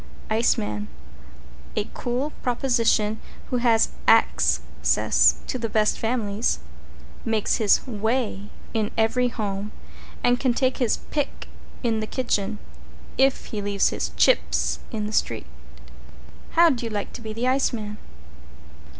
=ICEMAN= A cool proposition who has Axe cess to the best families, makes his Weigh in every home and can take his Pick in the kitchen, if he leaves his Chips in the street. "How'd You Like to be The Iceman?"